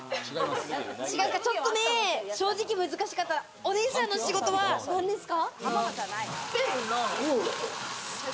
ちょっとね、正直難しかった、お姉さんの仕事は何ですか？